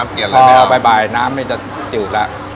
อ๋อพอบ่ายบ่ายน้ำมันจะจืดแล้ว